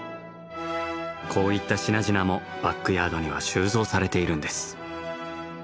こういった品々もバックヤードには収蔵されているんです。